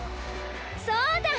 そうだ！